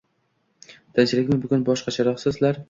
– Tinchlikmi? Bugun boshqacharoqsizlar.